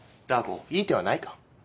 ダー子いい手はないか？